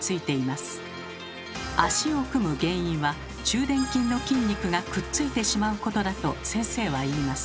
足を組む原因は中臀筋の筋肉がくっついてしまうことだと先生は言います。